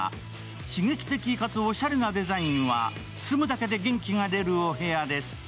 刺激的かつおしゃれなデザインは住むだけで元気が出るお部屋です。